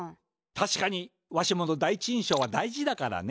たしかにわしもの第一いんしょうはだいじだからね。